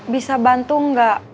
bisa bantu enggak